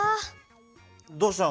どうしたの？